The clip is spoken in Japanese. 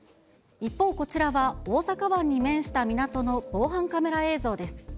一方、こちらは大阪湾に面した港の防犯カメラ映像です。